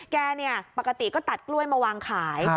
แกปกติก็ตัดกล้วยมาวางขาย